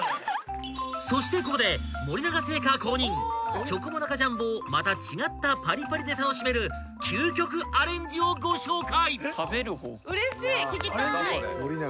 ［そしてここで森永製菓公認チョコモナカジャンボをまた違ったパリパリで楽しめる究極アレンジをご紹介！］